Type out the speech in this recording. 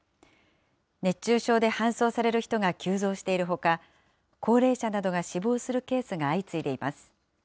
熱中症で搬送される人が急増しているほか、高齢者などが死亡するケースが相次いでいます。